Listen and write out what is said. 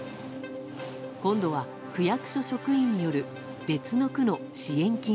今度は、区役所職員による別の区の支援金